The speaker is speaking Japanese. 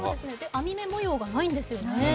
網目模様がないんですよね。